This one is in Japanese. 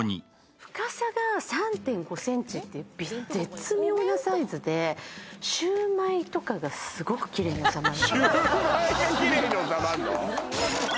深さが３．５ｃｍって絶妙な深さでシュウマイとかがすごくきれいにおさまる。